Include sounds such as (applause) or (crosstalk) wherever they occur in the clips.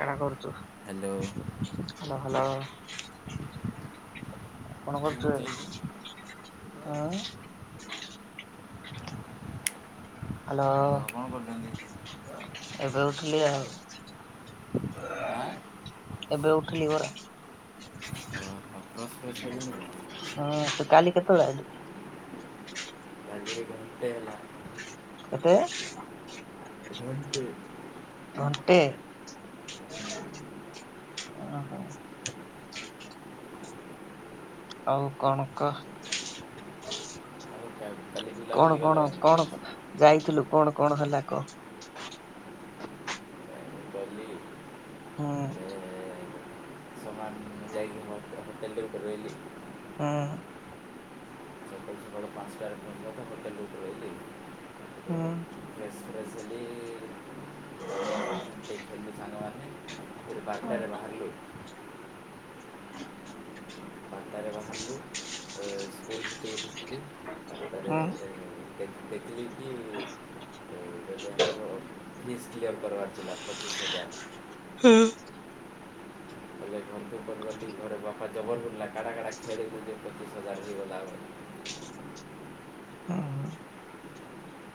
କାଣା କରୁଚୁ? Hello hello, hello. କଣ କିଏ କହୁଥିଲେ କି? କରୁଚେ? ଆଁ, ହାଲୋ। ତ କଣ କରୁଛନ୍ତି? ଏବେ ଉଠଲି ଆଉ। ଆଁ ଏବେ ଉଠିଲି ପରା। ଓହୋ ବ୍ରସ୍ ପ୍ରସ (inaudible) ହଁ ତୁ କାଲି କେତେବେଳେ ଆଇଲୁ। ରାତି ହେଲା। କେତେ? (inaudible) ଘଣ୍ଟେ, ଓହୋ। ଆଉ କଣ କହ? (inaudible) କଣ କଣ କେମିତି କଣ ଆଜି? ଯାଇଥିଲୁ କଣ କଣ ହେଲା କହ? ଗଲି ହୁଁ। ଏ (unintelligible) ଯାଇ (inaudible) ହଁ, ହଁ। ସକାଳୁ ସକାଳୁ ପାଞ୍ଚଟାରେ ପହଞ୍ଚିଲା ତ ହୋଟେଲ ଉପରେ ରହିଲି। ହୁଁ। ତାପରେ ଫ୍ରେସ୍ ଫ୍ରେସ୍ ହେଲି ତାପରେ (unintelligible) (inaudible) ବାଟରେ ବାହା ବାରଟାରେ ବାହାରିଲୁ ଏ, ସ୍କୁଲ ଭିତରୁ ଢୁକିଲି ବାରଟାରେ ହୁଁ। ଏ, ଦେଖ- ଦେଖିଲି କି ଏ, ବୋଲେ ଆମର ଫିସ୍ କ୍ଲିୟର କରବାର ଥିଲା। ପଚିଶ ହଜାର ହୁଁ। (inaudible) (unintelligible) ହେଇଗଲା ବୋଲି ହୁଁ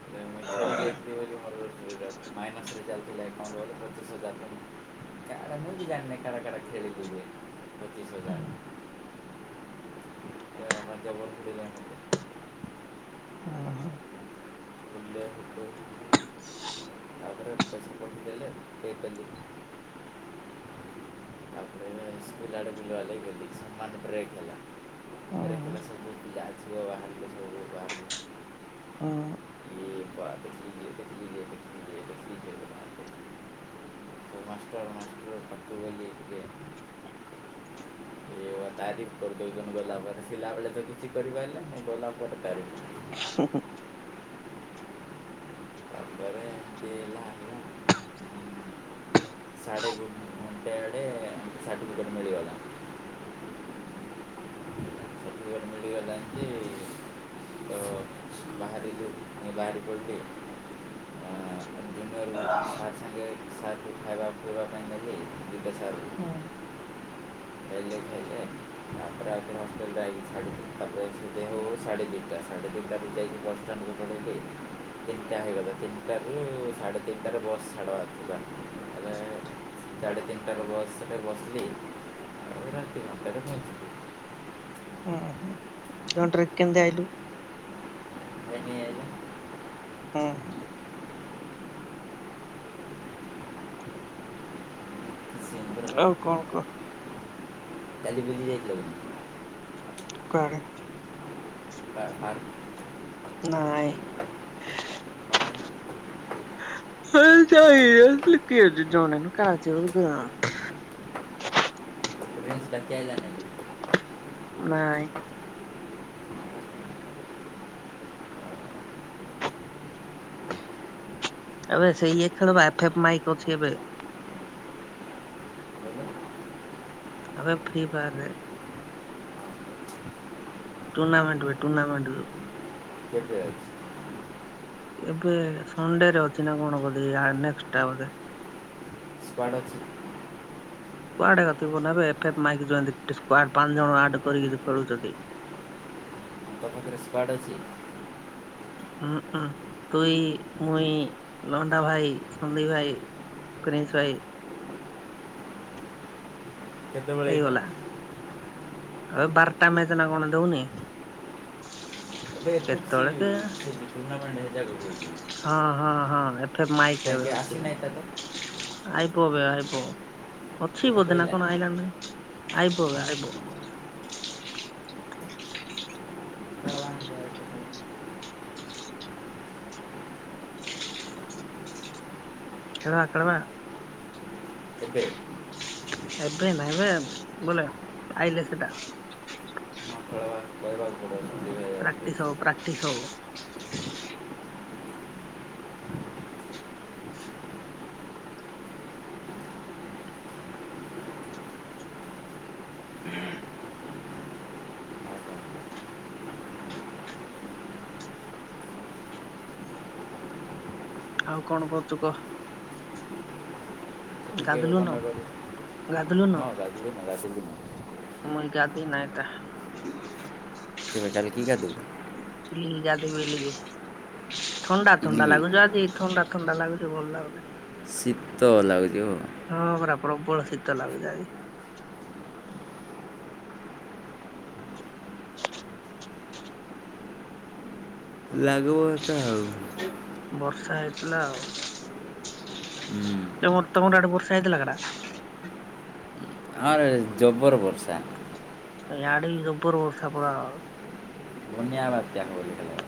ବୋଲେ ମୁଇଁ ଖେଳି ଯାଇଥିଲି ବୋଲି ମୋର ମାଇନସ୍ରେ ଚାଲିଥିଲା ଏକାଉଣ୍ଟ ବୋଲେ ପଚିଶ ହଜାର ଟଙ୍କା (unintelligible) ପଚିଶ ହଜାର ବୋଲେ ବାପା ଜବର ବୁଲିଲେ ମୋତେ ବୁଲିଲେ ତାପରେ ପଇସା ପଠେଇଦେଲେ ପେ କଲି ତାପରେ (unintelligible) ବ୍ରେକ୍ ହେଲା ହୁଁ ବ୍ରେକ୍ ହେଲା ସବୁ ପିଲା ଝିଅ ବାହାରିଲେ ସବୁ ବାହାରକୁ ହୁଁ ଇଏ ବା- ଦେଖିଲି ଇଏ ଦେଖିଲି ଇଏ ଦେଖିଲି ଇଏ ଦେଖିଲି ଇଏ ବୋଲି ବାହାରିଲେ ସବୁ ମାଷ୍ଟର୍ ମାଷ୍ଟର୍ ପାଖକୁ ଗଲି ଟିକେ (unintelligible) କରିଦଉଚନ୍ତି ଗଲାପରେ ଥିଲାବେଳେ ତ କିଛି କରିପାଇଲାନି ଗଲା ପରେ କରିବ। ତାପରେ ଏମିତି ହେଲା ହେଲା ସାଡେ ଗୁ କେଡେ ସାର୍ଟିଫିକେଟ୍ ମିଳିିଗଲା। ସାର୍ଟିଫିକେଟ୍ ମିଳିଗଲା ଏମିତି ତ ବାହାରିଲୁ ମୁଁ ବାହାରି ପଡ଼ିଲି ଦିନରୁ (unintelligible) ସାର୍ ସାଙ୍ଗେ (unintelligible) (inaudible) (unintelligible) ସାଡେ ଦି ଟା, ସାଡେ ଦି ଟାରୁ ଯାଇ (unintelligible) ତିନ୍ଟା ହେଇଗଲା ତିନିଟାରୁ ସାଢ଼େ ତିନିଟାରେ ବସ୍ ଛାଡ଼ିବାର। (unintelligible) (inaudible) ଏଇଠି ବସିଚି। (unintelligible) ହୁଁ - ହୁଁ (unintelligible) କେମିତି ଆଇଲୁ? (unintelligible) ହୁଁ- ହୁଁ। କିଛି ନାହିଁ ପୁରା ଆଉ କଣ କ? କାଲି ବୁଲି ଯାଇଥିଲ? (unintelligible) କୁଆଡେ? ପାର୍କ ଫାର୍କ। ନାଇଁ। ମାନେ (unintelligible) (unintelligible) ନାଇଁ। (unintelligible) ବୋଲେ ଆବେ ଫ୍ରି ଫାୟାର୍ ରେ। ଟୁର୍ଣ୍ଣାମେଣ୍ଟ ହୁଏ, ଟୁର୍ଣ୍ଣାମେଣ୍ଟ ଯୋଉ (unintelligible) ଏବେ ସନ୍ ଡେ ରେ ଅଛି ନା କଣ ବୋଧେ, ୟାର ନେକ୍ସଟା ବୋଧେ? କୁଆଡ଼େ ଅଛି? (unintelligible) ପାଞ୍ଚ ଜଣ ଆଡ କରିକି ଖେଳୁଚନ୍ତି। (unintelligible) ଉଁଁ ତୁଇ, ମୁଇଁ, ଲଣ୍ଡା ଭାଇ, ସନ୍ଦୀପ ଭାଇ ପ୍ରିନ୍ସ ଭାଇ କେତେବେଳେ ଏଇଟା? ହେଇଗଲା ଆଉ (unintelligible) କଣ ଦଉନି? ଏବେ ଏତ କିଛି କେତେବେଳେ କେ ଟୁର୍ଣ୍ଣାମେଣ୍ଟ (unintelligible) ହଁ- ହଁ- ହଁ ଏଫ କାହିଁକି ଆସିନାହିଁ ତାକୁ (unintelligible) ଆଇବୋ ବେ ଆଇବୋ ଅଛି ତୋତେ ବୋଧେ ନା କହିଲା କଣ (unintelligible) ଆଇବୋ ବେ ଆଇବୋ। ଖେଳବା ଖେଳବା। ଏବେ ଏବେ ନାଇଁ ବେ ବୋଲେ ଆଇଲେ ସେଇଟା। ହଁ ଖେଳବା କହିବାକୁ ପଡ଼ିବ ହଁ ସନ୍ଦୀପ ଭାଇବାକୁ ପ୍ରାକ୍ଟିସ୍ ହବ ଆଉ ପ୍ରାକ୍ଟିସ୍ ହବ। (unintelligible) କ'ଣ? ଆଉ କଣ କରୁଛୁ କହ? ଗାଧଲୁନ ଗାଧଲୁନ (inaudible) ମୁଁଇଁ ଗାଧେଇନା ଏଇତା। (unintelligible) (unintelligible) ଥଣ୍ଡା ଥଣ୍ଡା ଇଲି ଲାଗୁଛି ଆଜି ଥଣ୍ଡା ଥଣ୍ଡା ଲାଗୁଚି, ଭଲ ଲାଗୁନି। ଶୀତ ଲାଗୁଛି ହଁ ପରା ପ୍ରବଳ ଶୀତ ଲାଗୁଚି ଆ। ଲାଗିବ ଶୀତ ଆଉ। ବର୍ଷା ହେଇଥିଲା ଆଉ। ହୁଁ ତମ ତମର ଆଡେ ବର୍ଷା ହେଇଥିଲା। (unintelligible) ଆ ଏ ଜବର ବର୍ଷା। ଆଡେ ବି ଜବର ବର୍ଷା ପୁରା। ବନ୍ୟା ବାତ୍ୟା। (unintelligible)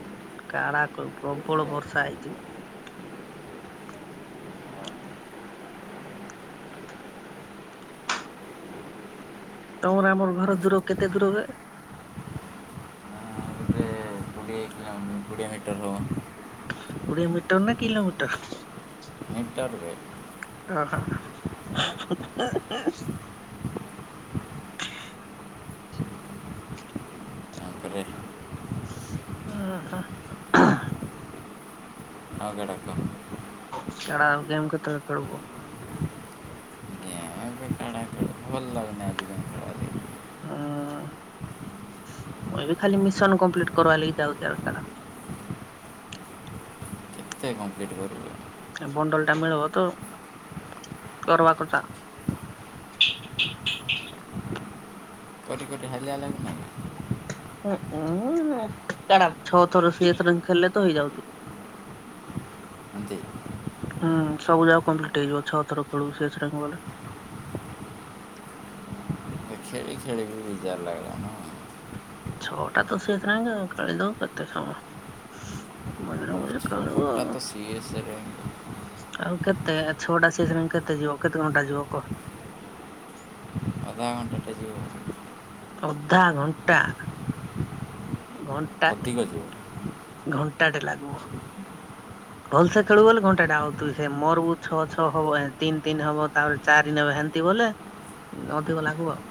କାଣା କହିବୁ ପ୍ରବଳ ବର୍ଷା ହେଇଚି। ତମର ଆମର ଘର ଦୂର କେତେ ଦୂର ହୁଏ? (unintelligible) କୋଡ଼ିଏ ମିଟର ହବ। କୋଡିଏ ମିଟର ନା କିିଲୋମିଟର। (unintelligible) ଓ ହୋ। (unintelligible) ଓ ହୋ। (unintelligible) କାଣା ଆଉ ଗେମ୍ କେତେବେଳେ ଖେଳିବୁ? (unintelligible) ଭଲ ଲାଗୁନି ଆଜି (unintelligible) ଓ ଏବେ ଖାଲି ମିଶନ କମ୍ପ୍ଲିଟ୍ କର। (unintelligible) ସେଇ କମ୍ପ୍ଲିଟ କରୁ। ଏ ବଣ୍ଡଲ ଟା ମିଳିବ ତ କରବା କଥା। କରି କରି ହାଲିଆ ଲାଗିଲାଣି। (unintelligible) ଛଅ ଥର ସିଏଥର ଖେଲିନେ ତ ହେଇଯାଉଛି। ହୁଁ। ସବୁ ଯାକ କମ୍ପ୍ଲିଟ ହେଇଯିବ ଛଅଥର ଖେଳୁ। (unintelligible) ଖେଳି କିନା ବିଜାର ଲାଗିଲାଣ। ଛଅଟା ତ (unintelligible) ଖେଳି ଦବ କେତେ ସମୟ ମଝିରେ ମଝିରେ ଖେଲିବୁ ତ ଆଉ। ସିରିୟସ୍ରେ ଆଉ କେତେ ଛଅଟା ସିଜିନ୍ କେତେ ଯିବ କେତେ ଘଣ୍ଟା ଯିବ କହ। ଅଧାଘଣ୍ଟ ଟେ ଯିବ ବୋଧେ। ଅଧା ଘଣ୍ଟା, ଘଣ୍ଟା (unintelligible) ଘଣ୍ଟାଟେ ଲାଗିବ। (inaudible) ଭଲସେ ଖେଳୁ ବୋଲିଲେ ଘଣ୍ଟାଟା ହବ। ତୁଇ ହେଇ ମୋର ଛଅ ଛଅ ହବ ତିନି ତିନି ହବ ତାପରେ ଚାରି ନେବେ ହେନ୍ତି ବୋଲେ ଅଧିକ ଲାଗିବ ଆଉ।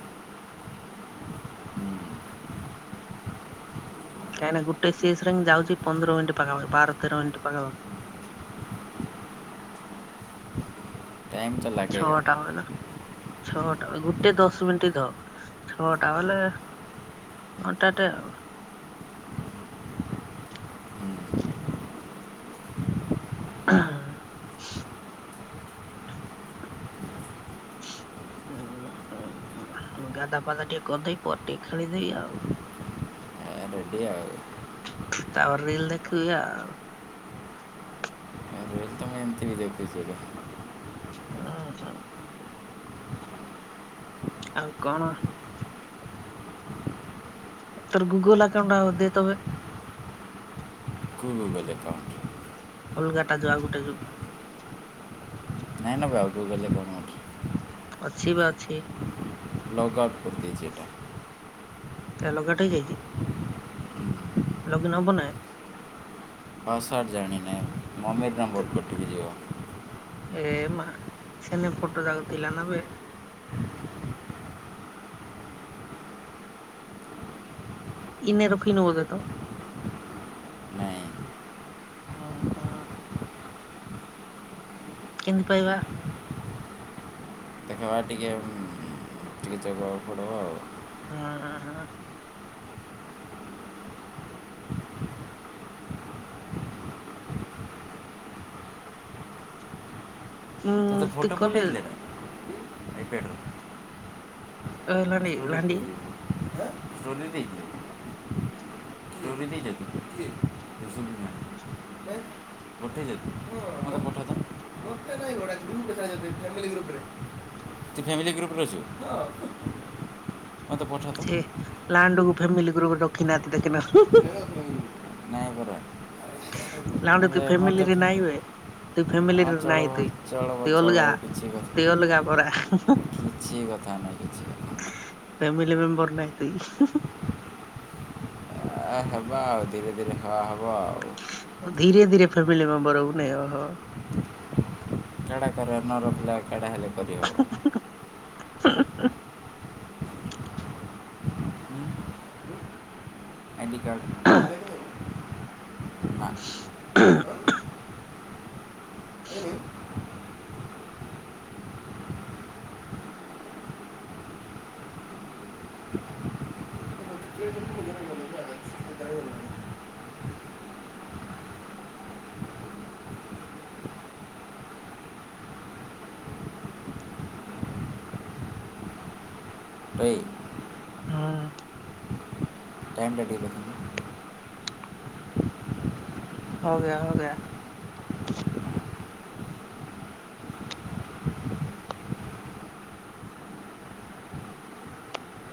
କାଣେ ଗୋଟେ ସେଷରେ ଯାଉଛି ପନ୍ଦର ମିନିଟ ପାଖା ପାଖି ବାର ତେର ମିନିଟ୍ ପାଖା ପାଖି। (unintelligible) ଛଅଟା ବଲେ ଛଅଟା ଗୋଟେ ଦଶ ମିନିଟ ଧ। ଛଅଟା ବୋଲେ ଘଣ୍ଟା ଟେ ଆଉ। (inaudible) (unintelligible) ଗାଧା ପାଧା ଟିକେ କରିଦେଇ ପର ଟିକେ ଖେଳିଦେଇ ଆଉ। ରେଡି ଆଉ। ତାପରେ ରିଲ ଦେଖିବି ଆଉ। (unintelligible) ଅ ହଁ। ଆଉ କଣ? ତର ଗୁଗଲ ଆକାଉଣ୍ଟ ଆଉ ଦେ ତବେ। (unintelligible) ଅଲଗାଟା ଯୋଉ ଆଉ ଗୋଟେ ଯୋଉ। ନାଇଁ ନବେ ଆଉ। (unintelligible) ଅଛି ବା ଅଛି। ଲଗ ଆଉଟ କରିଦେଇଛି ଏଟା। ତା ଲଗ୍ ଆଉଟ୍ ହେଇ ଯାଇଛି। ଲଗଇନ୍ ହବ ନା। ପାସ୍ୱାର୍ଡ ଜାଣିନେ। ମମର ନମ୍ବର କଟିିକି ଯିବ। ଏ ମା ସେନେ ଫଟୋ ଯାଗୁଥିଲା ନା ବେ। ଇନେ ରଖିନୁ ବୋଧେ ତ। ଓହୋ। କେମିତି ପାଇବା? ଦେଖବା ଟିକେ ଟିକେ ଯଗିବାକୁ ପଡିବ ଆଉ। ହୁଁ ହୁଁ ହୁଁ। ଉଁ ତୋତେ ତୁ ଫୋଟୋ କଲେ ଫୋଠେଇଥିଲେ। (unintelligible) ଅ ଲାଡି ଲାଣ୍ଡି। ଭୁଲି ଯାଇଛୁ। (unintelligible) ପଠେଇଦ ମୋତେ ପଠେଇଥା। ମତେ ନାଟା ଗ୍ରୁପ ସାହା ଫ୍ୟାମିଲି ଗ୍ରୁପ ରେ। ତୁ ଫ୍ୟାମିଲି ଗ୍ରୁପରେ ଅଛୁ। ମୋତେ ପଠାନ୍ତ। ସେ ଲାଣ୍ଡକୁ ଫ୍ୟାମିଲି ଗ୍ରୁପରେ ରଖିନାହାନ୍ତି ଦେଖିନ। ନାଇଁ ପରା ନାଣ୍ଡେ ଏବେ ତୁ ମୋତେ ଫ୍ୟାମିଲିରେ ଫେ- ନାଇଁଏ। ତୁ ହଁ, ଫ୍ୟାମିଲିରେ ନାଇଁ ଚଳବ ତୁ ଚଳବ ତୁ ଚଳବ ଅଲଗା କିଛି କଥା ତୁ ଅଲଗା ପରା। କିଛି କଥା ନାଇ। କିଛି କ ଫେମିିଲ ମେମ୍ବର ନାହି ତଇ। ଏ ହେବା ଆଉ। ଧୀରେ ଧୀରେ ଖବା ହେବ ଆଉ। ଧୀରେ ଧୀରେ ଫ୍ୟାମିଲି ମେମ୍ବର ହବୁ ନାଇଁ। ଓହୋ। କେଡେ କେଡେ କର ନରହିଲେ କେଡା ହେଲେ। କରିହେବ (inaudible) ଆଇଡି କାର୍ଡ। ନା ହୁଁ। (unintelligible) ବଇ। ହୁଁ। ଟାଇମ୍ ଦେଖିଲୁ। ହୋ ଗେୟା ହୋ ଗେୟା।